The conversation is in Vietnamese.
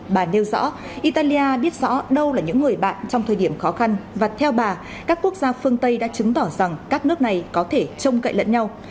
bà nêu rõ italia biết rõ đâu là những người bạn trong thời điểm khó khăn và theo bà các quốc gia phương tây đã chứng tỏ rằng các nước này có thể trông cậy lẫn nhau